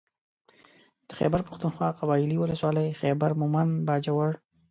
د خېبر پښتونخوا قبايلي ولسوالۍ خېبر مهمند باجوړ